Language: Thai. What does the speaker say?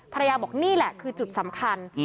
ภรรยาบอกนี่แหละคือจุดสำคัญ